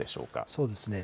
そうですね。